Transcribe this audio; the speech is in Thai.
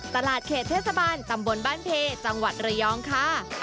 ตลาดเขตเทศบาลตำบลบ้านเพจังหวัดระยองค่ะ